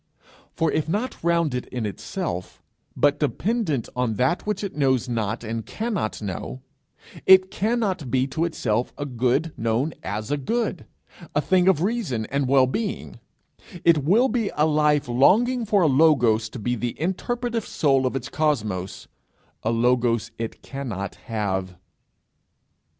For if not rounded in itself, but dependent on that which it knows not and cannot know, it cannot be to itself a good known as a good a thing of reason and well being: it will be a life longing for a logos to be the interpretative soul of its cosmos a logos it cannot have.